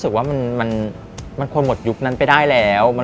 ทุกคนคิดว่า